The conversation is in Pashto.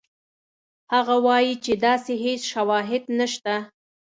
هغه وایي چې داسې هېڅ شواهد نشته.